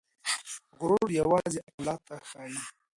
غرور يوازې الله ته ښايي.